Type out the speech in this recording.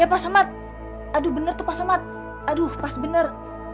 ya pak somad aduh benar tuh pak somat aduh pas bener